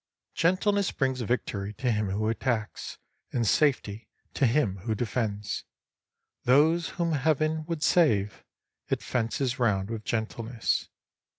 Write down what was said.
Gentleness brings victory to him who attacks, and safety to him who defends. Those whom Heaven would save, it fences round with gentleness.